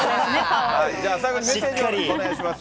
じゃあメッセージお願いします。